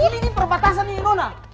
ini ini perbatasan ini nona